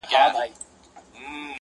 د هنر له ګوتو جوړي ګلدستې وې -